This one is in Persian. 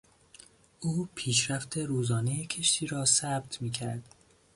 او پیشرفت روزانهی کشتی را ثبت میکرد.